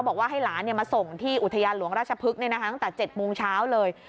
บอกว่าให้หลานมาส่งที่อุทยานหลวงราชพฤกษ์ตั้งแต่๗โมงเช้าเลย